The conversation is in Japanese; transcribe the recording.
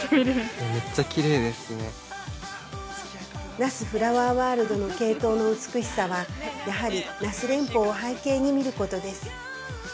◆那須フラワーワールドのケイトウの美しさはやはり那須連峰を背景に見ることです。